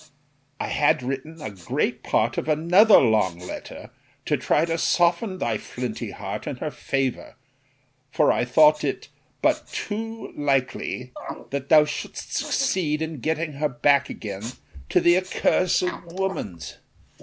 I had written a great part of another long letter to try to soften thy flinty heart in her favour; for I thought it but too likely that thou shouldst succeed in getting her back again to the accursed woman's.